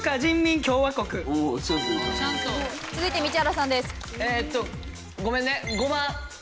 続いて道枝さんです。